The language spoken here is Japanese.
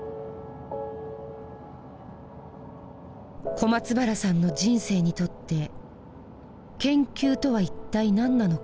小松原さんの人生にとって「研究」とは一体何なのか。